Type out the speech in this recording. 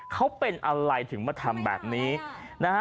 เขาเป็นอะไรถึงมาทำแบบนี้นะฮะ